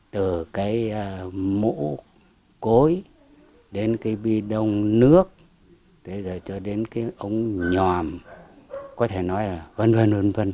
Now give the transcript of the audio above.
từ cái mũ cối đến cái bi đông nước tới giờ cho đến cái ống nhòm có thể nói là vân vân vân vân